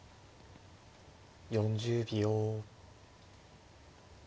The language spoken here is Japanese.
４０秒。